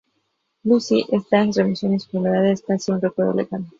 Lucie está en remisión y su enfermedad es casi un recuerdo lejano.